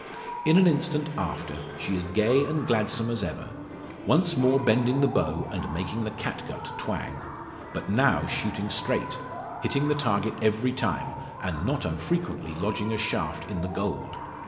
In an instant after, she is gay and gladsome as ever; once more bending the bow, and making the catgut twang. But now shooting straight hitting the target every time, and not unfrequently lodging a shaft in the "gold."